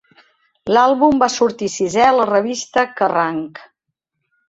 L'àlbum va sortir sisè a la revista 'Kerrang!'.